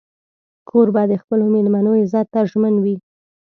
کوربه د خپلو مېلمنو عزت ته ژمن وي.